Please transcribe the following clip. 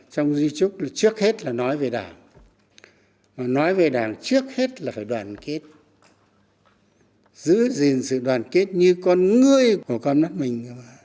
trong di trúc trước hết là nói về đảng và nói về đảng trước hết là phải đoàn kết giữ gìn sự đoàn kết như con người của con nước mình